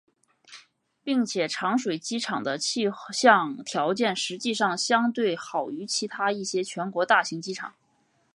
并且长水机场的气象条件实际上相对好于其他一些全国大型机场。